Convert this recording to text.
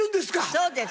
そうです。